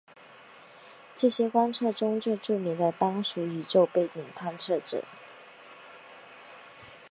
这些观测中最著名的当属宇宙背景探测者。